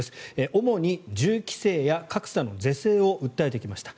主に銃規制や格差の是正を訴えてきました。